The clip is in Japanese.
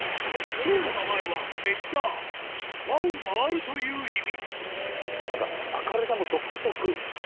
ショーの名前は「テッダー」「環を回る」という意味